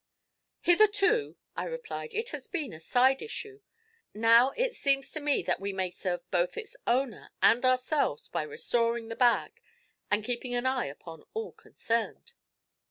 'Hitherto,' I replied, 'it has been a side issue; now it seems to me that we may serve both its owner and ourselves by restoring the bag, and keeping an eye upon all concerned.'